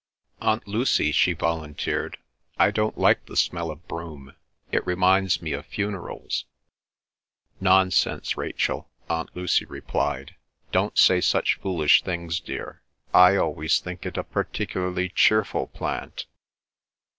"Aunt Lucy," she volunteered, "I don't like the smell of broom; it reminds me of funerals." "Nonsense, Rachel," Aunt Lucy replied; "don't say such foolish things, dear. I always think it a particularly cheerful plant."